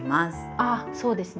あっそうですね。